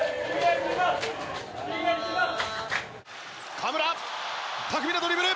河村、巧みなドリブル。